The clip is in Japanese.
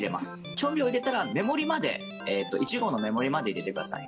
調味料を入れたら、目盛りまで、１合の目盛りまで入れてください。